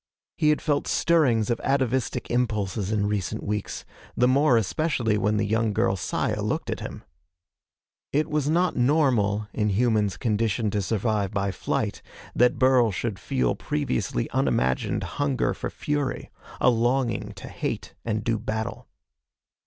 He had felt stirrings of atavistic impulses in recent weeks the more especially when the young girl Saya looked at him. It was not normal, in humans conditioned to survive by flight, that Burl should feel previously unimagined hunger for fury a longing to hate and do battle.